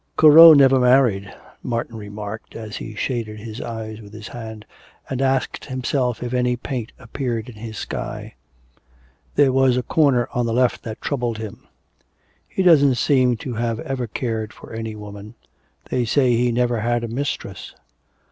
'Corot never married,' Morton remarked, as he shaded his eyes with his hand, and asked himself if any paint appeared in his sky. There was a corner on the left that troubled him. 'He doesn't seem to have ever cared for any woman. They say he never had a mistress.'